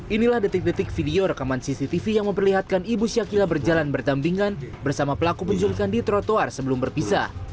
inilah detik detik video rekaman cctv yang memperlihatkan ibu syakila berjalan bertambingan bersama pelaku penculikan di trotoar sebelum berpisah